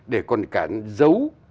để còn cả dấu